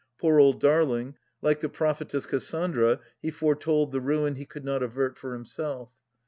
Poor old darling, like the prophetess Cassandra he foretold the ruin he could not avert for himself.